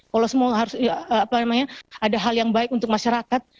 kalau semua harus ada hal yang baik untuk masyarakat